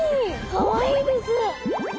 かわいいです。